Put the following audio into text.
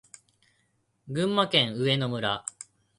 群馬県上野村